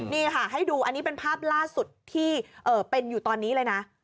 นี่ค่ะให้ดูอันนี้เป็นภาพล่าสุดที่เป็นอยู่ตอนนี้เลยนะ